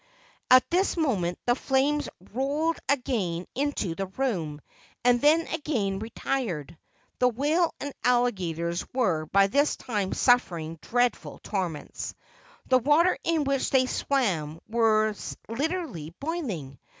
At this moment the flames rolled again into the room and then again retired. The whale and alligators were by this time suffering dreadful torments. The water in which they swam was literally boiling.